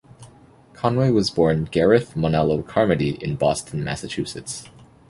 Conway was born Gareth Monello Carmody in Boston, Massachusetts.